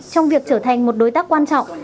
trong việc trở thành một đối tác quan trọng